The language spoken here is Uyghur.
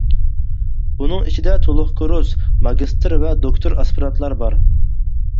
بۇنىڭ ئىچىدە تۇلۇق كۇرس، ماگىستىر ۋە دوكتور ئاسپىرانتلار بار.